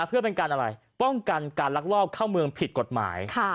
เพื่อเป็นการอะไรป้องกันการลักลอบเข้าเมืองผิดกฎหมาย